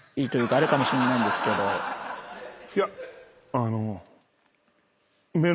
いやあの。